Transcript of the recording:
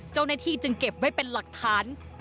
เจ้าหน้าที่จึงเก็บไว้เป็นหลักฐาน